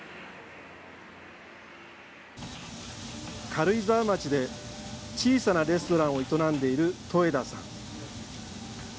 軽井沢町で、小さなレストランを営んでいる戸枝さん。